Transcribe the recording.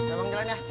udah bang jalan ya